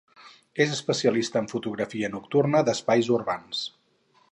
És especialista en fotografia nocturna d'espais urbans.